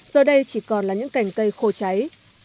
giờ đây chỉ còn là những cành cây khô cháy